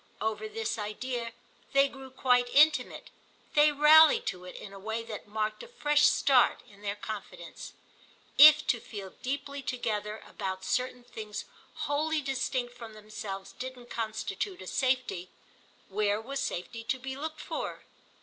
Over this idea they grew quite intimate; they rallied to it in a way that marked a fresh start in their confidence. If to feel deeply together about certain things wholly distinct from themselves didn't constitute a safety, where was safety to be looked for?